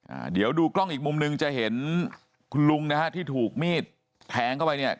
อ่าเดี๋ยวดูกล้องอีกมุมหนึ่งจะเห็นคุณลุงนะฮะที่ถูกมีดแทงเข้าไปเนี่ย